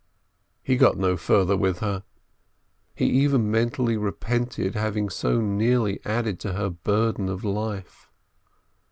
He got no further with her; he even mentally repented having so nearly added to her burden of life.